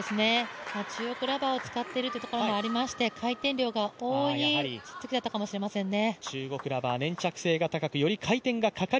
中国ラバーを使っているということもありまして、回転量が多いツッツキだったかもしれませんね。